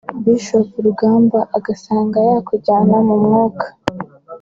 Bishop Rugamba agasanga yakujyana mu mwuka